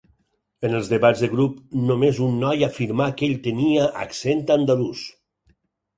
En els debats de grup, només un noi afirmà que ell tenia accent andalús.